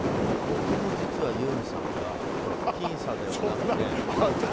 僕も実はユンさんが僅差ではなくて。